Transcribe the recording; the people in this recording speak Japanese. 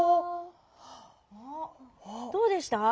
どうでした？